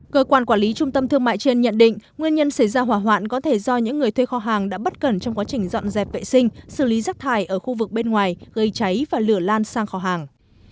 cơ quan quản lý trung tâm thương mại trên nhận định nguyên nhân xảy ra hỏa hoạn có thể do những người thuê kho hàng đã bất cẩn trong quá trình dọn dẹp vệ sinh xử lý rác thải ở khu vực bên ngoài gây cháy và lửa lan sang kho hàng